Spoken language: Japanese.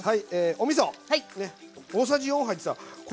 おみそ大さじ４杯ってさ